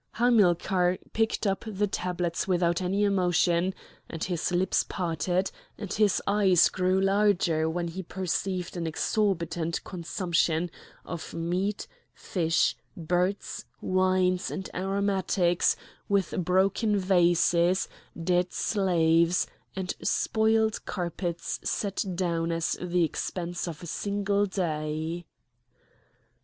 Hamilcar picked up the tablets without any emotion; and his lips parted and his eyes grew larger when he perceived an exorbitant consumption of meat, fish, birds, wines, and aromatics, with broken vases, dead slaves, and spoiled carpets set down as the expense of a single day.